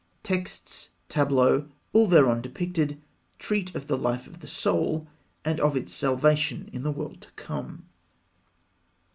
Texts, tableaux, all thereon depicted, treat of the life of the Soul, and of its salvation in the world to come.